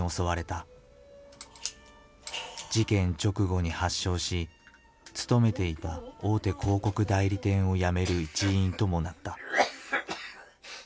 事件直後に発症し勤めていた大手広告代理店を辞める一因ともなった。